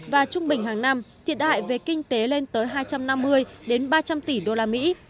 và trung bình hàng năm thiệt hại về kinh tế lên tới hai trăm năm mươi đến ba trăm linh tỷ đô la mỹ